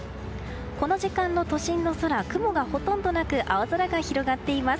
この時間の都心の空雲がほとんどなく青空が広がっています。